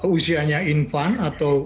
usianya infant atau